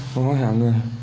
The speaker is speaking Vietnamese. thấy hối hận